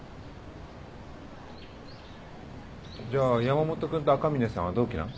じゃあ山本君と赤嶺さんは同期なん？